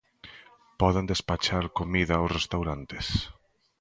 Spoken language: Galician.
Poden despachar comida os restaurantes?